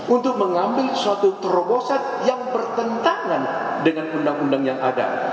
untuk mengambil suatu terobosan yang bertentangan dengan undang undang yang ada